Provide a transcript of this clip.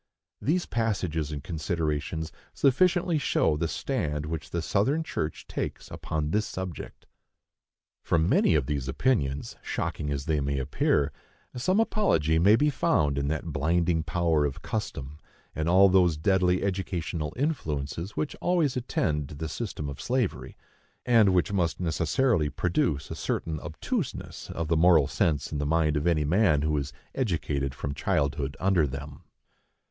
These passages and considerations sufficiently show the stand which the Southern church takes upon this subject. For many of these opinions, shocking as they may appear, some apology may be found in that blinding power of custom and all those deadly educational influences which always attend the system of slavery, and which must necessarily produce a certain obtuseness of the moral sense in the mind of any man who is educated from childhood under them.